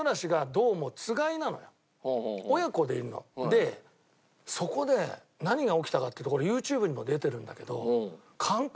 でそこで何が起きたかっていうとこれＹｏｕＴｕｂｅにも出てるんだけど。